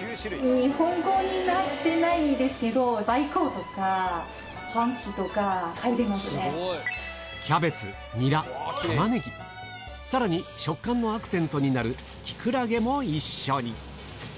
日本語になってないですけど、キャベツ、ニラ、タマネギ、さらに食感のアクセントになるキクラゲも一緒に。